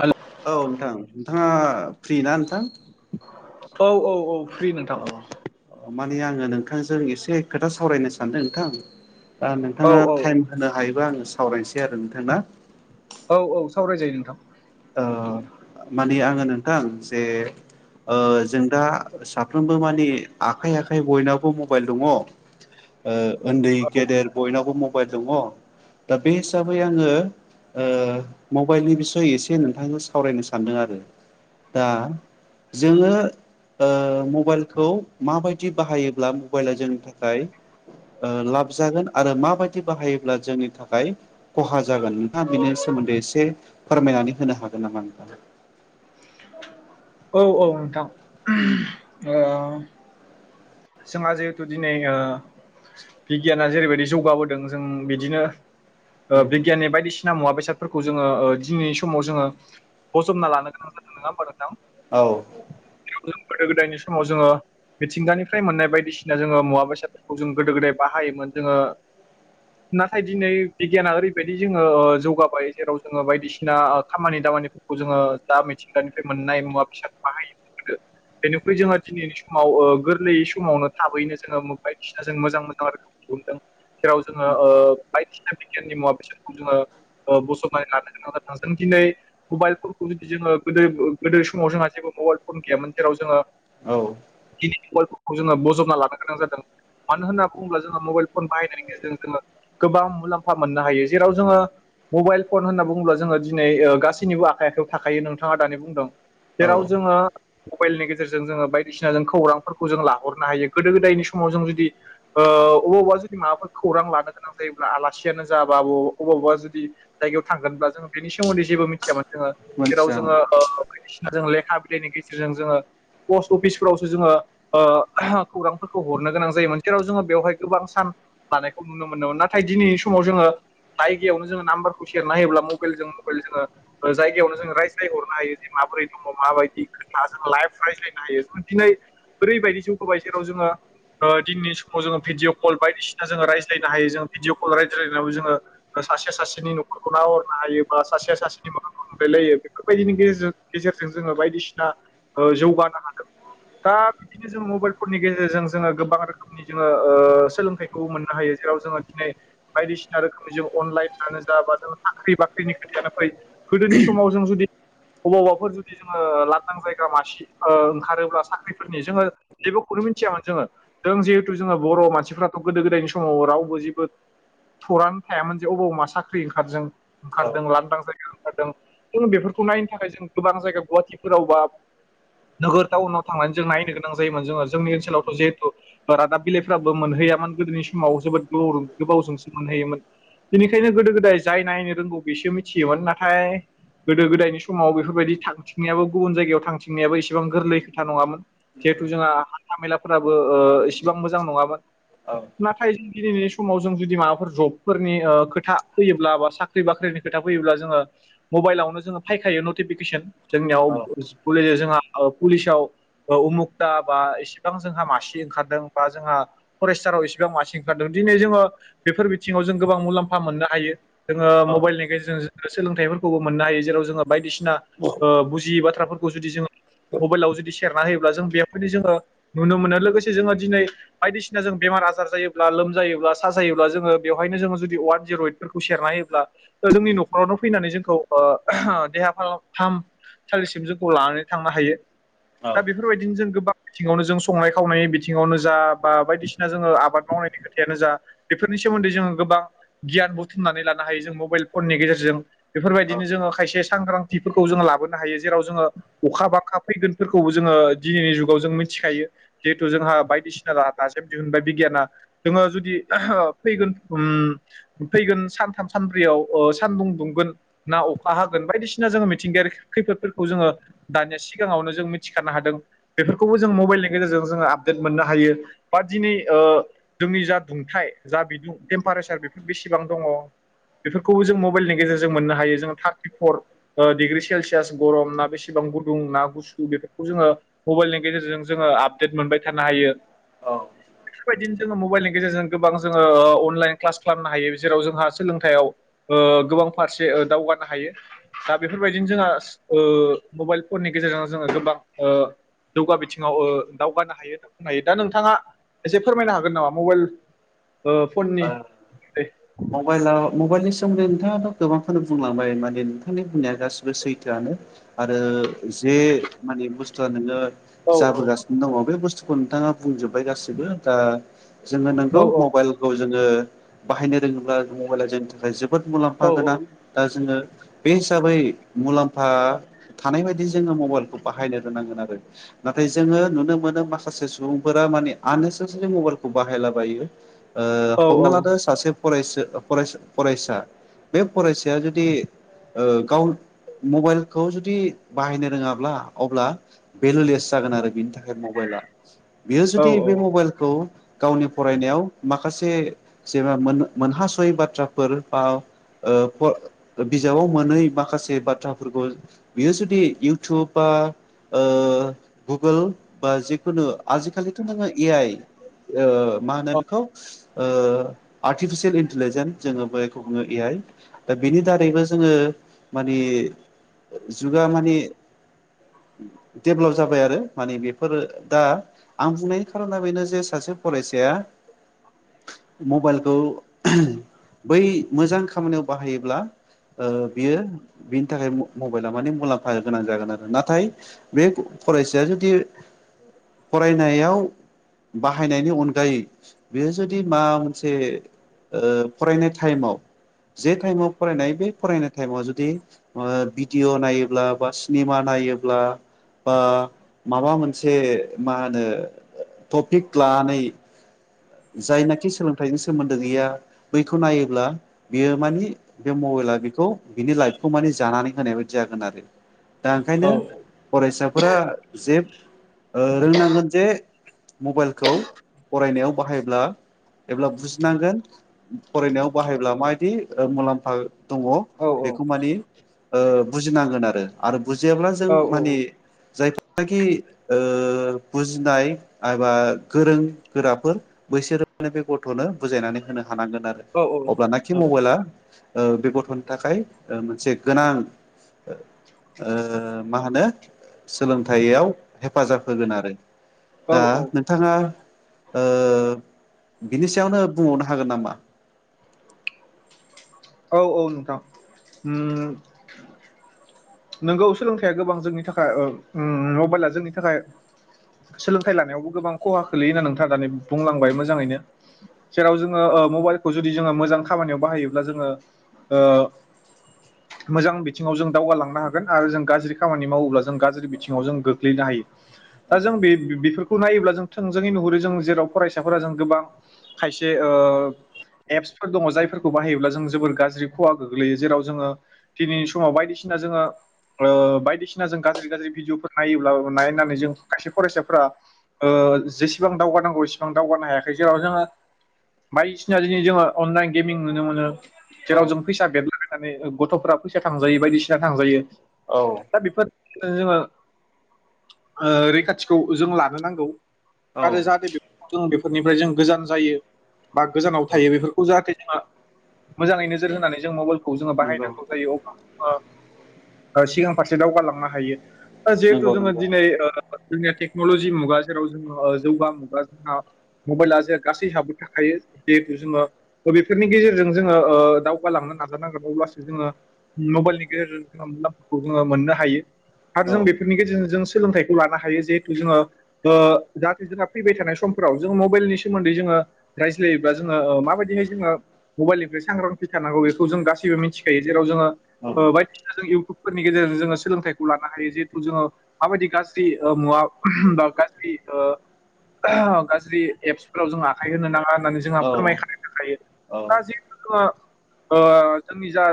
हेल' औ नोंथां नोंथाङा फ्रि ना नोंथां औ औ औ फ्रि नोंथां औ माने आङो नोंथांजों एसे खोथा सावरायनो सानदों नोंथां दा औ नोंथाङा औ टाइम होनो हायोबा आङो सावरायनोसै आरो नोंथां ना औ औ सावरायजायो नोंथां ओ माने आङो नोंथां जे ओ जों दा साफ्रोमबो मानि आखाइ आखाइ बयनावबो मबाइल दङ। ओ उन्दै औ गेदेर बयनावबो म [unintelligible] दा बे हिसाबै आङो। ओ मबाइलनि बिसय एसे नोंथांनो सावरायनो सानदों आरो दा जोङो ओ मबाइलखौ माबायदि बाहायोब्ला मबाइल जोंनि थाखाय ओ लाब जागोन आरो माबायदि बाहायोब्ला जोंनि थाखाय खहा जागोन नोंथाङा बेनि सो मोन्दै एसे फारमायनानै होनो हागोन नामा नोंथां [inaudible] औ औ नोंथां [unintelligible] ओ जोंहा जिहेथु दिनै ओ बिगियाना जेरैबायदि जौगाबोदों जों बिदिनो ओ बिगियाननि बायदिसिना मुवा बेसाद फोरखौ जोङो दिनैनि समाव जोङो बजबना लानो गोनां जादों नङा होमबा नोंथां औ जों गोदो गोदायनि समाव जोङो मिथिंगानि फ्राइ मोननाय बायदिसिना जोङो मुवा बेसादफोरखौ जों गोदो गोदाय बाहायोमोन जोङो नाथाय दिनै बिगियाना ओरैबायदि जोङो जौगाबाय जेराव जोङो बायदिसिना खामानि दा खामानिफोरखौ जोङो दा मिथिगानिफ्राय मोननाय मुवा बेसादखौ बाहायो होदो बेनिख्रुय जोंहा दिनैनि समाव ओ गो गोरलै समावनो थाबैनो जोङो बायदिसिना जों मोजां मोजां रोखोमखौ हदों जेराव जोङो ओ बायदिसिना बिगियाननि मुवा बेसारखौ जोङो ओ बजबनानै लानो गोनां जों दिनै मबाइलफोरखौ जुदि जोङो गोदो गोदो समाव जोंहा जेबो मबाइल फन गैयामोन जेराव जोङो औ [unintelligible] जोङो बजबना लानो गोनां जादों मानो होनना बुङोब्ला जोङो मबाइल फन बाहायनायनि गेजेरजों जोङो गोबां मुलाम्फा मोननो हायो जेराव जोङो मबाइल फन होनना बुङोब्ला जोङो दिनै गासैनिबो आखाइ आखायाव थाखायो नोंथाङा दानि बुंदों औ जेराव जोङो मबाइलनि गेजेरजों जोङो बायदिसिना जों खौरां फोरखौ जों लाहरनो हायो गोदो गोदायनि समाव जों जुदि ओ अबावबा जुदि माबा खौरां लानो गोनां जायो जेब्ला आलासियानो जा [unintelligible] अबावबा जुदि जायगायाव थांगोनब्ला जों बिनि सोमोन्दैेबो मिथियामोन। जोङो जेराव मोनथियामोन जोङो ओ जों लेखा बिलाइनि गेजेरजों जोङो पस्ट अफिसफोरावसो जोङो ओ [unintelligible] खौरांफोरखौ हरनो गोनां जायोमोन जेराव जोङो बेवहाय गोबां सान लानायखौ नुनो मोनोमोन नाथाय दिनैनि समाव जोङो जायगायावनो जोङो नाम्बारखौ सेरना होयोब्ला मबेल जों मबेल जोङो जायगायावनो जों रायज्लायहरनो हायो जे मा माबरै दङ माबायदि खोथाजों लाइफ रायज्लायनो हायो जों दिनै ओरैबायदि जौगोबाय जेराव जोङो ओ दिनैनि समाव जोङो भिदिअ' कल बायदिसिना जोङो रायज्लायनो हायो जो भिडिअ' कल रायज्लायनायाव जोङो सासेया सासेनि न'खरखौ नाहरनो हायो बा सासेया सासेनि मोखांखौ नुलायलायो बेफोरबायदिनि गेजेरजों गेजेरजों जोङो बायदिसिना ओ जौगानो हादों दा बिदिनो जों मबाइलफोरनि गेजेरजों जोङो गोबां रोखोमनि जोङो ओ सोलोंथाइखौ मोननो हायो जेराव जोङो दिनै बायदिसिना रोखोमनि जों अनलाइनआनो जा बा जों साख्रि बाख्रिनि खोथायानो फै। गोदोनि समाव जों जुदि अबावबाफोर जुदि जोङो ओ लाथां जायगा मासि ओ ओंखारोब्ला साख्रिफोर जोङो जेबोखौनो मिथियामोन जोङो जों जिहेथु जोङो बर' मानसिफ्राथ' गोदो गोदायनि समाव रावबो जे बो थरां थायामोन जे अबाव मा साख्रि ओंखारजों औ ओंखारदों लांदां जायगा खारदों जों बेफोरखौ नायनो थाखाय जों गोबां जायगा गुवाहाटिफोराव बा नोगोर टाउनाव थांनानै जों नायनो गोनां जायोमोन जोङो जोंनि ओनसोलावथ' जिहेथु ओ रादाब बिलाइफोराबो मोनहैयामोन गोदोनि समाव जोबोद [unintelligible] गोबावजोंसो मोनहैयोमोन। बेनिखायनो गोदो गोदाय जाय नायनो रोंगौ बेसो मिथियोमोन नाथाय गोदो गोदायनि समाव बेफोरबायदि थांथिंनायाबो गुबुन जायगायाव थां थिंनायाबो इसिबां गोरलै खोथा नङामोन। जिहेथु जोंहा हान्था मेलाफोराबो ओ इसिबां मोजां नङामोन। औ नाथाय जों दिनै स समाव जों जुदि माबाफोर जबफोरनि ओ खोथा फोयोब्ला बा साख्रि बाख्रिनि खोथा फैयोब्ला जोङो म मबाइलावनो जोङो फाखायो नटिफिकेसन औ जोंनियाव जोंहा पुलिसाव। औ उमुगता बा एसेबां जोंहा मासि ओंखारदों बा जोंहा फरेस्टाराव इसेबां मासि ओंखारदों दि। दिनै जोङो बेफोर बिथिङाव जों गोबां मुलाम्फा मोननो हायो जोङो मबाइलनि गेजेरजों जो सोलोंथाइफोरखौबो मोननो हायो जेराव जोङो बायदिसिना ओ बुजियै बाथ्राफोरखौ जुदि जोङो। मबाइलाव जुदि। सेरना होयोब्ला जों बेयाफोरनि जोङो नुनो मोनो लोगोसे जोङो दिनै बायदिसिना जों बेमार आजार जायोब्ला लो लोमजायोब्ला साजायोब्ला जोङो बेवहायनो जोङो जुदि अवान जिर' इदफोरखौ सेरना होयोब्ला। जोंनि न'खरावनो फैनानै जोंखौ। ओ ओहो देहा फाहालम फाहाम सालिसिम जोंखौ लानानै थांनो हायो। औ दा बेफोरबायदिनो जों गोबां। बिथिङावनो जों संनाय खावनायनि बिथिङावनो जा बा बायदिसिना जोङो आबाद मावनायनि खोथायानो जा बेफोरनि। सोमोन्दै जोङो गोबां गियान बुथुमनानै लानो हायो जों मबाइल फननि गेजेरजों बेफोरबायदिनो औ जोङो खायसे। सांग्रांथिफोरखौ जोङो लाबोनो हायो जेराव जोङो अखा बाखखा फैगोन। फोरखौबो जोङो दिनैनि जुगाव जों मिथिखायो जिहेथु जोंहा बायदिसिना रा दाजेम दिहुनबाय बिगियाना। जोङो जुदि फैगोन उम फैगोन सानथाम सानब्रैयाव ओ सानदुं। दुंगोन ना अखा हागोन बायदिसिना जोङो मिथिंगायारि खैफोदफोरखौ जोङो दानिया सिगांआवनो। जों मिथि खानो हादों बेफोरखौबो जों मबाइलनि गेजेरजों। जोङो आपडेट मोननो हायो बा दिनै ओ जोंनि जा दुंथाइ जा बिदुं टेम्पारेसार। बेफोर बेसेबां दङ। बेफोरखौबो जों मबाइलनि गेजेरजों मोननो हायो जों थार्टिफर ओ डिग्रि सेलसियास गरम ना बेसेबां। गुदुं ना गुसु बेफोरखौ जोङो मबाइलनि गेजेरजों जोङो आपडेट मोनबाय थानो हायो। औ बेफोरबायदिनो। जोङो मबाइलनि गेजेरजों गोबां जोङो ओ अनलाइन क्लास खालामनो हायो जेराव जोंहा सोलोंथायाव ओ गो बां फारसे ओ दावगनो हायो दा बेफोरबायदिनो जोंहा ओ मबाइल फोरनि गेजेरजों। जोङो गोबां ओ जौगा बिथिङाव ओ दावगानो हायो होनना बुंनो हायो दा नोंथाङा। एसे फोरमायनो हागोन नामा मबाइल। ओ फननि मबाइला मबाइलनिस। सोमोन्दै नोंथाङाथ' गोबांखोनो बुंलांबाय माने नोंथांनि बुंनाया गासिबो सैथोआनो आरो। जे माने बुस्थुआ नोङो औ औ जाबोगासिनो दङ बे बुस्थुखौ नोंथाङा। बुंजोबबाय गासिबो दा जोङो नोंगौ औ मबाइल। जोङो बाहायनो रोङोब्ला मबाइला जोंनि थाखाय जोबोद मुलाम्फा औ गोनां दा जोङो। बे हिसाबै मुलाम्फा थानाय बायदि जोङो मबाइलखौ बाहायनो रोंनांगोन आरो। नाथाय जोङो नुनो मोनो माखासे सुबुंफोरा माने आनेसेलसेलि मबाइलखौ बाहायलाबायो। ओ औ हमना औ लादो सासे। फरायसो ओ फरायसा-फरायसा बे फरायसाया जुदि गाव। मबाइलखौ जुदि बाहायनो रोङाब्ला अब्ला भेलुलेस जागोन आरो बिनि थाखाय मबाइलआ बियो औ जुदि बे मबाइलखौ गावनि फरायनायाव माखासे जेनबा मोनहासय बाथ्राफोर बा ओ बिजाबाव मोनै माखासे बाथ्राफोरखौ बियो जुदि इउटुब बा बि ओ गुगोल बा जिेखुनु आजिखालिथ' नोङो ए आइ मा होनो बेखौ आर्टिफिसियेल इन्टेलिजेन्स जोङो बेखौ बुङो एआइ दा बेनि दारैबो जोङो ओ मानि जुगा मानिे देभलप जाबाय आरो माने बेफोरो दा आं बुंनायनि खारना बेनो जे सासे फरायसाया मबाइलखौ बै मोजां खामानियाव बाहायोब्ला बियो बिनि थाखाय मबाइल मानि मुलाम्फा गोनां जागोन आरो नाथाय बे फरायसाया जुदि फरायनायाव बाहायनायनि अनगायै बेयो जुदि मा मोनसे फरायनाय टाइमाव जे टाइमाव फरायनाय बे फरायनाय टाइमाव जुदि भिडिअ' नायोब्ला बा सिनेमा नाय नायोब्ला बा माबा मोनसे मा होनो टपिक लानानै जायनाखि सोलोंथाइनि सोमोन्दो गैया बैखौ नायोब्ला बियो मानि बे मबाइल आ बिखौ बिनि लाइफखौ मानि जानानै होनाय बायदि जागोन आरो दा ओंखायनो औ फरायसाफोरा जे रोंनांगोन जे मबाइलखौ फरायनायाव ब्ला बुजिनांगोन फरायनायाव बाहायब्ला माबायदि मुलाम्फा दंङ बेखौ मानि बुजिनांगोन आरो आरो बुजियाब्ला जों माने जायफोर नाखि बुजिनाय एबा गोरों गोराफोर बैसोरोनो बे गथ'नो बुजायनानै होनो हानांगोन आरो अब्लानाखि मबाइला बे गथ'ननि थाखाय मोनसे गोनां मा होनो सोलोंथाइयाव हेफाजाब होगोन आरो औ दा नोंथाङा ओ बिनि सायावनो बुंबावनो हागोन नामा औ औ नोंथां नोंगौ सोलोंथाइया गोबां जोंनि थाखाय मबाइला जोंनि थाखाय सोलोंथाइ लानायावबो गोबां खहा खोलैयो होनना नोंथाङा दानि बुंलांबाय मोजाङैनो जेराव जोंङो ओ मबाइलखौ जुदि जोंङो मोजां खामानियाव बाहायोब्ला जोंङो ओ मोजां बिथिंङाव जों दावगालांनो नो होन आरो जों गाज्रि खामानि मावोब्ला जों गाज्रि बिथिंङाव जों गोग्लैनो हायो दा जों बे बेफोरखौ नायोब्ला जों थोंजोङै नुहुरो जों जेराव फरायसाफोरा जों गोबां खायसे ओ एप्सफोर दंङ जायफोरखौ बाहायोब्ला जों जोबोर गाज्रि खहा गोग्लैयो जेराव जोंङो दिनैनि समाव बायदिसिना जोंङो ओ बायदिसिना जों गाज्रि गाज्रि भिडिअफोर नायोब्ला नायनानै जों खायसे फरायसाफोरा ओ जेसेबां दावगानांगौ एसिबां दावगानो हायाखै जेराव जोंङो बायदिसिना दिनै जोंङो अनलाइन गेमिं नुनो मोनो औ जेराव जों फैसा बेरलाबायनानै गथ'फ फैसा थांजायो बायदिसिना थांजायो औ दा बेफोर जोंङो रैखाथिखौ जों लानो नांगौ औ आरो जाहाथे जों बेफोरनिफ्राय जों गोजान जायो बा गोजानाव थायो बेफोरखौ जाहाथे जो मोजांङै नोजोर होनानै जों मबाइलखौ जोंङो नंगौ बाहायनांगौ जायो अ सिगां फारसे दावगालांनो हायो दा जिहेथु नंगौ जोंङो नंगौ दिनै जोंनिया टेक्नलजि मुगा जेराव जोंङो जौगा मुगा जोंहा मबाइला जे गासै ह हाबो थाखायो जिहेथु जोंङो बेफोरनि गेजेरजों जोंङो दावगालांनो नाजानांगोन अब्लासो जोंङो मबाइलनि गेजेरजों उम लामाखौ जोंङो मोननो हायो । आरो औ जों बेफोरनि गेजेरजों जों सोलोंथाइखौ लानो हायो जिहेथु जोंङो ओ जाहाथे जोंहा फैबाय थानाय सम फोराव जों मबाइलनि सोमोन्दै जोंङो रायज्लायोब्ला जोंङो माबायदिहाय जोंङो मबाइलनिफ्राय सांग्रांथि थानांगौ बेखौ जों गासैबो मिथिखायो जेराव जोंङो औ ओ बायदि जों इउटुबफोरनि गेजेरजों जोंङो सोलोंथाइखौ लानो हायो जिहेथु जोंङो माबायदि गाज्रि ओ मुवा गाज्रि ओ एप्सफोराव जों आखाइ होनो नांङा । होननानै जोंहा औ फोरमाय खानाय थाखायो औ दा जिहेथु जोंङो ओ जोंनि जा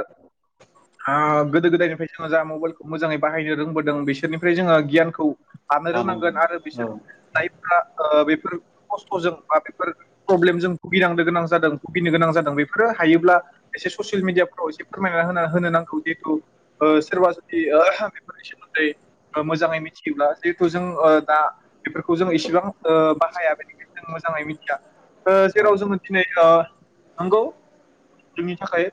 ओ गोदो गोदायनिफ्राय जोंङो जा मबाइलखौ मोजांङै बाहायनो रोंबोदों बिसोरनिफ्राय जोंङो गियानखौ लानो लानांगोन रोंनांगोन आरो बिसोर औ जायफोरा ओ बेफोर खस्थजों बा बेफोर प्रब्लेमजों भुगिनांनो गोनां जादों भुगिनो गोनां जादों बेफोरो थायोब्ला एसे ससियेल मिडियाफ्राव एसे फोरमायना होना होनो नांगौ जिहेतु सोरबा जुदि ओ बेफोरनि सोमोन्दै मोजांङै मिथियोब्ला जिहेथु जों ओ दा बेफोरखौ जों इसेबां ओ बाहाया बेनिखायनो जों मोजाङै मिथिया । ओ औ जेराव जोङो दिनै ओ नोंगौ जोंनि थाखाय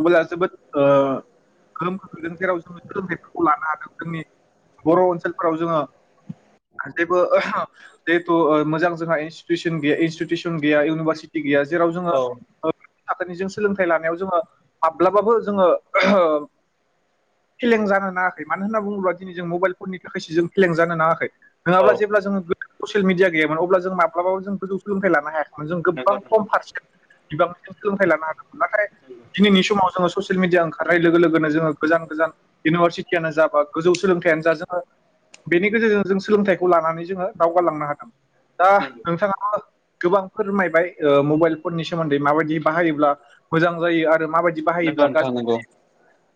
मबाइला जोबोद ओ गोहोम खोख्लैदों जेराव जोङो सोलोंथाइफोरखौ लानो हादों जोंनि बर' ओनसोलफ्राव जोङो जेबो जिहेथु मोजां जोंहा इनस्टिटिउसन गैया इनस्टिटिउसन गैया इउनिभारसिटि गैया जेराव जोङो औ थाखोनिजों सोलोंथाइ लानायाव जोङो माब्लाबाबो जोङो फेलें जानो नाङाखै मानो होनना बुङोब्ला दिनै जों मबाइल फननि थाखायसो जों फेलें जानो नाङाखै औ नोङाब्ला जेब्ला जोङो ससियेल मिडिया गैयामोन अब्ला जों माब्लाबाब जों गोजौ सोलोंथाइ लानो हायाखै जों गोबां नंगौ नंगौ खम फारसेन बिबां सोलोंथाइ लानो हादोंमोन नाथाय दिनैनि समाव जोङो ससियेल मिडिया ओंखारनाय लोगो लोगो जोङो गोजान गोजान इउनिभारसिटियानो जा बा गोजौ सोलोंथाइयानो जा जोङो बेनि गेजेरजों जों सोलोंथाइखौ लानानै जोङो दावगालांनो हागोन दा नोंथाङाबो गोबां फोरमायबाय ओ मबाइल फननि सोमोन्दै माबायदि बाहायोब्ला मोजां जायो आरो मा बाय नोंगौ नोंथां नोंगौ ।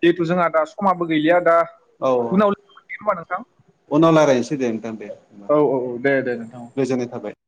जिहेथु जोंहा दा समाबो गैलिया दा औ उनाव लोगो मोनसिगोन होनबा नोंथां उनाव रायलायनोसै दे नोंथां दे औ औ औ दे नोंथां गोजोननाय थाबाय ।